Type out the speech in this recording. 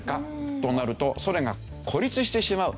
となるとソ連が孤立してしまう。